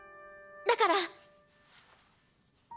だから。